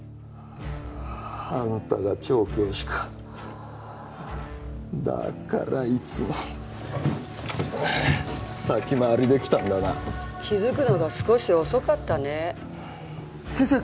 あんたが調教師かだからいつも先回りできたんだな気づくのが少し遅かったね・先生